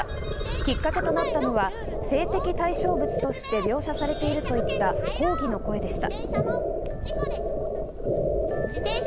きっかけとなったのは性的対象物として描写されているといった抗議の声でした。